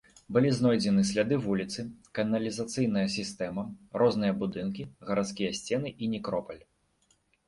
Былі знойдзены сляды вуліцы, каналізацыйная сістэма, розныя будынкі, гарадскія сцены і некропаль.